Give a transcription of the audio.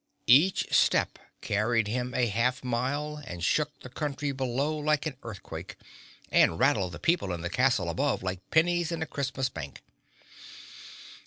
Each step carried him a half mile and shook the country below like an earthquake and rattled the people in the castle above like pennies in a Christmas bank.